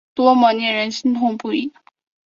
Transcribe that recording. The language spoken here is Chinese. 多么令人心痛不舍